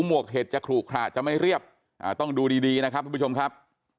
วกเห็ดจะขลุขระจะไม่เรียบต้องดูดีนะครับทุกผู้ชมครับ